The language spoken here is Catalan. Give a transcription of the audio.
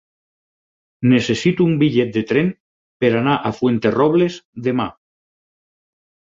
Necessito un bitllet de tren per anar a Fuenterrobles demà.